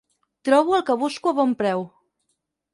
Trobo el que busco a bon preu.